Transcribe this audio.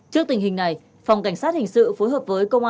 trước tình hình này phòng cảnh sát hình sự phối hợp với công an